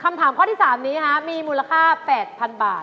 คำถามข้อที่๓นี้มีมูลค่า๘๐๐๐บาท